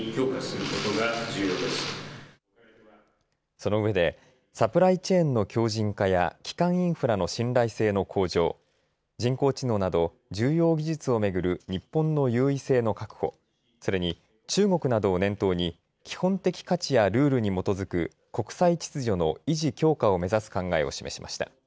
そのうえでサプライチェーンの強じん化や基幹インフラの信頼性の向上、人工知能など重要技術を巡る日本の優位性の確保、それに中国などを念頭に基本的価値やルールに基づく国際秩序の維持・強化を目指す考えを示しました。